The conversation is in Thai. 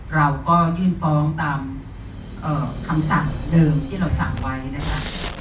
เราก็ยื่นฟ้องตามคำสั่งเดิมที่เราสั่งไว้นะคะ